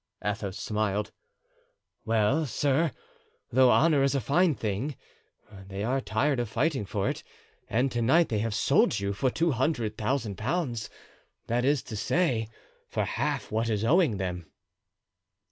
Athos smiled. "Well, sir, though honor is a fine thing, they are tired of fighting for it, and to night they have sold you for two hundred thousand pounds—that is to say, for half what is owing them."